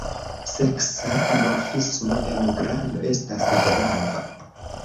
Seksa dimorfismo en grando estas grava.